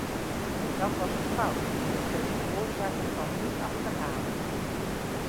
Dat was een fout en we kunnen de oorzaak ervan niet achterhalen.